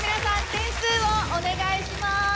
点数をお願いします。